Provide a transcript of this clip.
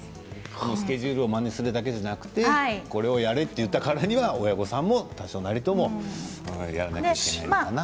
このスケジュールをまねするだけではなくてこれをやれと言ったからにも親御さんも多少なりともやらなきゃいけないのかな。